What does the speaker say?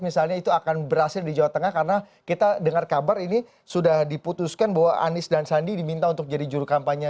misalnya itu akan berhasil di jawa tengah karena kita dengar kabar ini sudah diputuskan bahwa anies dan sandi diminta untuk jadi juru kampanye